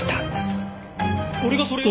俺がそれを？